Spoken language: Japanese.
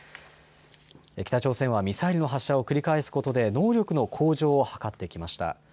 北朝鮮はミサイルの発射を繰り返すことで能力の向上を図ってきました。